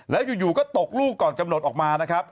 แล้วอยู่ก็ตกลูกก่อนกำหนดออกมานะครับ